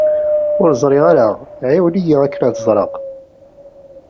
Ur ẓriɣ ara, ɛiwen-iyi akken ad ẓreɣ.